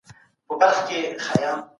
ميرويس خان نيکه څنګه د خپلې خاورې دفاع وکړه؟